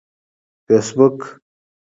فیسبوک